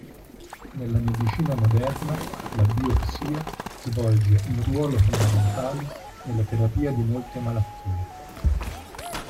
Nella medicina moderna la biopsia svolge un ruolo fondamentale nella terapia di molte malattie.